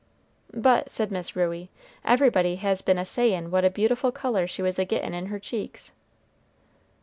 "But," said Miss Ruey, "everybody has been a sayin' what a beautiful color she was a gettin' in her cheeks."